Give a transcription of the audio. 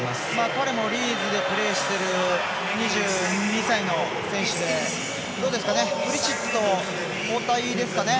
彼もリーズでプレーしてる２２歳の選手でプリシッチと交代ですかね。